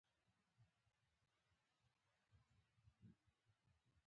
پر ځان د تلقين اصل يې په ارادي ډول لاشعور ته رسوي.